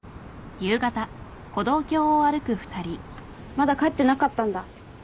まだ帰ってなかったんだ。